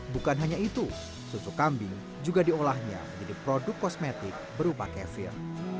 bukan hanya itu susu kambing juga diolahnya menjadi produk kosmetik berupa kefir